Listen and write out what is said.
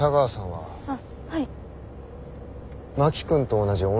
はい。